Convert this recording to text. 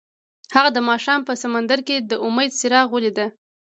هغه د ماښام په سمندر کې د امید څراغ ولید.